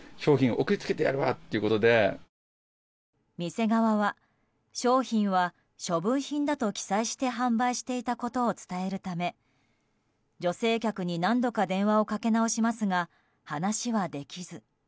店側は商品は処分品だと記載して販売していたことを伝えるため女性客に何度か電話をかけ直しますが話はできず。